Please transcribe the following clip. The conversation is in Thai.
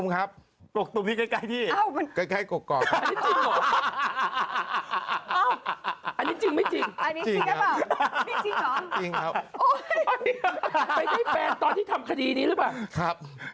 เกราะตุมครับ